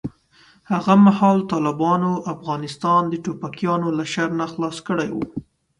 هغه مهال طالبانو افغانستان د ټوپکیانو له شر نه خلاص کړی و.